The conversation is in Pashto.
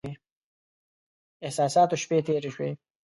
احساساتو شپې تېرې شوې.